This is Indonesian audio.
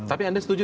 tapi anda setuju